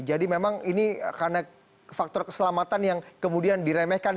jadi memang ini karena faktor keselamatan yang kemudian diremehkan